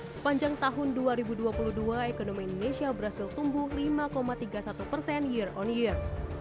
sepanjang tahun dua ribu dua puluh dua ekonomi indonesia berhasil tumbuh lima tiga puluh satu persen year on year